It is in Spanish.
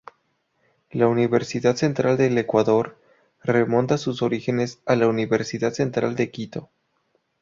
La Universidad Central del Ecuador, remonta sus orígenes a la Universidad Central de Quito.